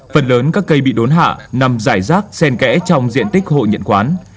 phần lớn các cây bị đốn hạ nằm rải rác sen kẽ trong diện tích hội nhận quán